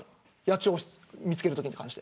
野鳥を見つけるときに。